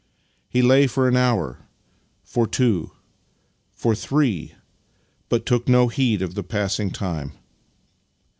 He lay for an hour — for two — for three, but took no heed of the passing of time.